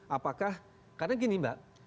apakah karena gini mbak